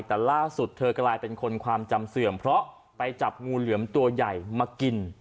แต่ล่าสุดเธอกลายเป็นคนความจำเสื่อมเพราะไปจับงูเหลือมตัวใหญ่มากิน